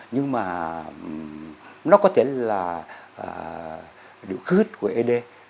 nhưng mà nó có thể là điều khứ của ed